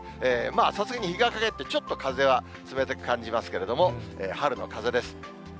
まあ、さすがに日が陰って、ちょっと風は冷たく感じますけれども、春の風です。